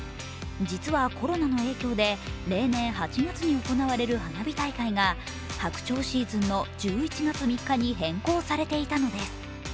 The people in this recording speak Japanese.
実はコロナの影響で例年８月に行われる花火大会が白鳥シーズンの１１月３日に変更されていたのです。